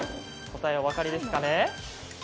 答えはお分かりですかね。